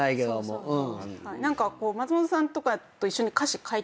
何か松本さんとかと一緒に歌詞書いてみたいと。